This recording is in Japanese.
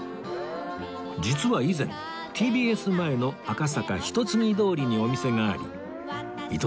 実は以前 ＴＢＳ 前の赤坂一ツ木通りにお店があり伊東さん